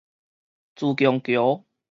自強橋